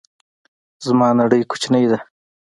زما نړۍ کوچنۍ ده